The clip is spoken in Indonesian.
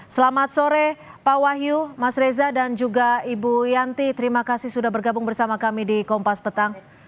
selamat sore pak wahyu mas reza dan juga ibu yanti terima kasih sudah bergabung bersama kami di kompas petang